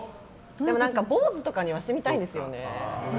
でも坊主とかにはしてみたいんですよね。